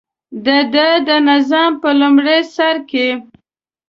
دده د نظام په لومړي سر کې.